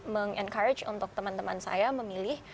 meng encourage untuk teman teman saya memilih